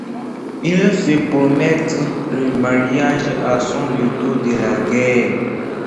Ils se promettent le mariage à son retour de la guerre.